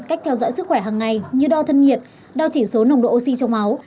cách theo dõi sức khỏe hàng ngày như đo thân nhiệt đo chỉ số nồng độ oxy trong máu